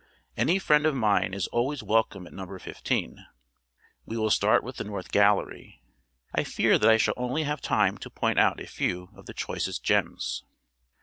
Any friend of mine is always welcome at Number Fifteen. We will start with the North Gallery; I fear that I shall only have time to point out a few of the choicest gems.